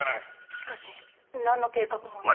しかし何の計画も。